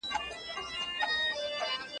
ځيرکي کله کله د سړي په کار راځي.